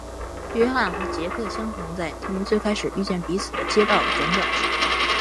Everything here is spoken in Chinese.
约翰和杰克相逢在他们最开始遇见彼此的街道转角处。